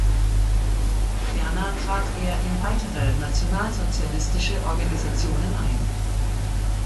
Ferner trat er in weitere nationalsozialistische Organisationen ein.